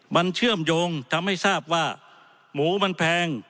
มันเชื่อมโยงทำให้ทราบว่าหมูมันแพง